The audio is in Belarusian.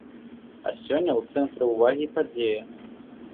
А сёння ў цэнтры ўвагі падзея.